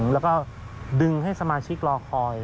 แล้วก็ดึงให้สมาชิกรอคอย